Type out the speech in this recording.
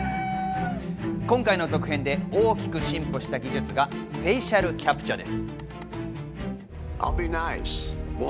今回の続編で大きく進歩した技術がフェイシャルキャプチャです。